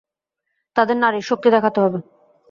তাদের নারীর শক্তি দেখাতে হবে।